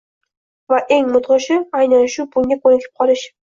Va eng mudhishi aynan shu – bunga ko‘nikib qolish!